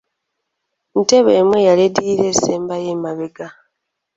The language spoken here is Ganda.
Ntebe emu eyali eddirira esembayo emabega.